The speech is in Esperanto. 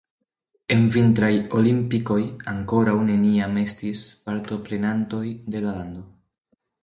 En vintraj olimpikoj ankoraŭ neniam estis partoprenantoj de la lando.